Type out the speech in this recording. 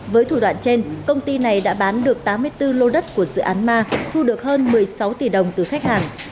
với thủ đoạn trên công ty này đã bán được tám mươi bốn lô đất của dự án ma thu được hơn một mươi sáu tỷ đồng từ khách hàng